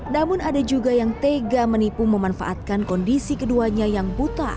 namun ada juga yang tega menipu memanfaatkan kondisi keduanya yang buta